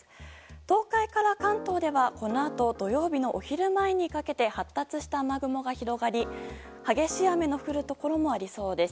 東海から関東ではこのあと土曜日のお昼前にかけて発達した雨雲が広がり激しい雨の降るところもありそうです。